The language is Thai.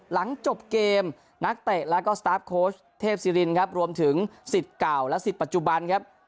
หลังจบเกมนักเตะแล้วก็สตาร์ฟโค้ชเทพศิรินครับรวมถึงสิทธิ์เก่าและสิทธิปัจจุบันครับ